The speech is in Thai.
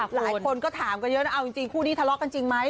หลายคนก็ถามกันเยอะนะเอาจริงคู่นี้ทะเลาะกันจริงไหม